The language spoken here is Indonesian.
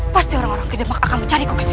pasti orang orang kedemak akan mencari koksir